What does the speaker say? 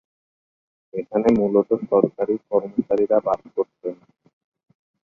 এখানে মূলত সরকারী কর্মচারীরা বাস করতেন।